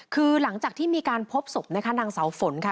คือหลังจากที่มีการพบศพนะคะนางเสาฝนค่ะ